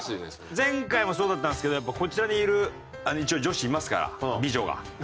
前回もそうだったんですけどこちらにいる一応女子いますから美女が。